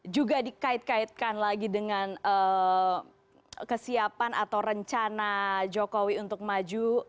juga dikait kaitkan lagi dengan kesiapan atau rencana jokowi untuk maju